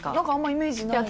イメージないです。